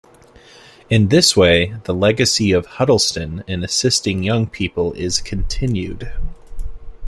In this way, the legacy of Huddleston in assisting young people is continued.